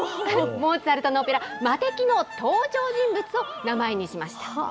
モーツァルトのオペラ、魔笛の登場人物を名前にしました。